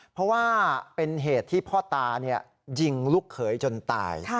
เพราะว่าเป็นเหตุที่พ่อตายิงลูกเขยจนตาย